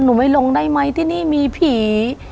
ไม่ลงได้ไหมที่นี่มีผี